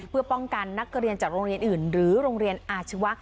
เพื่อป้องกันนักเรียนจากโรงเรียนอื่นหรือโรงเรียนอาชีวะ